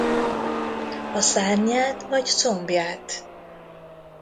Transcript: A Szárnyát vagy combját?